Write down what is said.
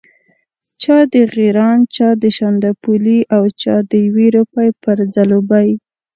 چا د غیراڼ، چا د شانداپولي او چا د یوې روپۍ پر ځلوبۍ.